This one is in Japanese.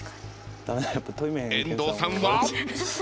遠藤さんは？